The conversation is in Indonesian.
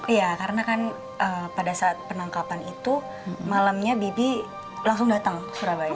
iya karena kan pada saat penangkapan itu malamnya bibi langsung datang ke surabaya